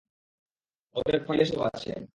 অতএব, ফাইলে সব আছে।